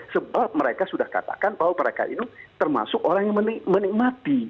sebab mereka sudah katakan bahwa mereka ini termasuk orang yang menikmati